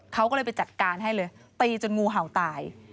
เขาก็เลยไปจัดการให้เลยตีจนงูเห่าตาย